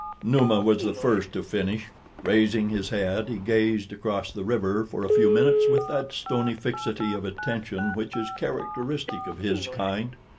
Numa was the first to finish. Raising his head, he gazed across the river for a few minutes with that stony fixity of attention which is a characteristic of his kind.